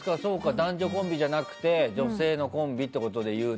男女コンビじゃなくて女性のコンビでいうと。